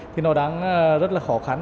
thì nó đang rất là khó khăn